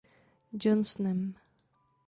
Johnsonem...